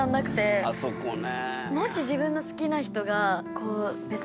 あそこね。